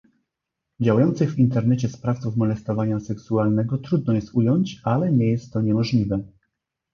Działających w Internecie sprawców molestowania seksualnego trudno jest ująć, ale nie jest to niemożliwe